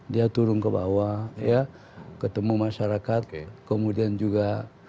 dia turun ke bawah ketemu masyarakat kemudian juga